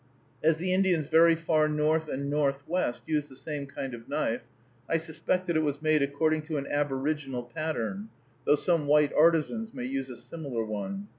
As the Indians very far north and northwest use the same kind of knife, I suspect that it was made according to an aboriginal pattern, though some white artisans may use a similar one.